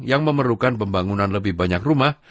yang memerlukan pembangunan lebih banyak rumah